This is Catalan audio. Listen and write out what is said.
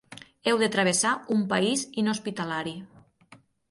Heu de travessar un país inhospitalari.